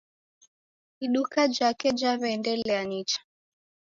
Iduka jake jaweendelea nicha